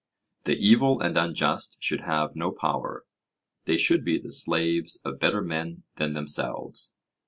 The evil and unjust should have no power, they should be the slaves of better men than themselves.